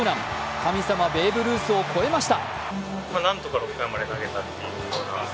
神様、ベーブ・ルースを超えました。